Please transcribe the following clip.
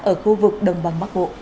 ở khu vực đồng bằng bắc bộ